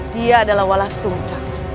dia adalah walah sungsang